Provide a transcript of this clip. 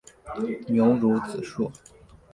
牛乳子树